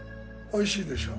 おいしいでしょ？